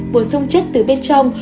bổ sung chất từ bên trong